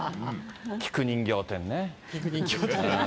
菊人形展ね。